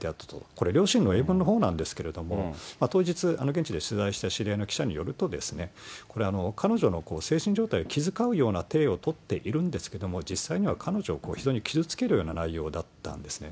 これ、両親の英文のほうなんですけれども、当日、現地で取材した知り合いの記者によると、これ、彼女の精神状態を気遣うようなていをとっているんですけれども、実際には彼女を非常に傷つけるような内容だったんですね。